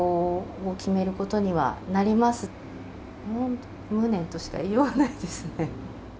もう無念としか言いようがないですね。